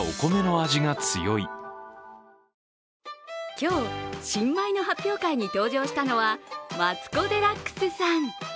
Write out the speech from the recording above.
今日、新米の発表会に登場したのはマツコ・デラックスさん。